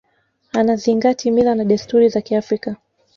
anazingati mila na desturi za kiafrika